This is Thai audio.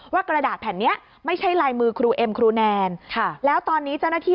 กระดาษแผ่นเนี้ยไม่ใช่ลายมือครูเอ็มครูแนนค่ะแล้วตอนนี้เจ้าหน้าที่